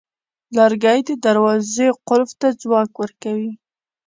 لرګی د دروازې قلف ته ځواک ورکوي.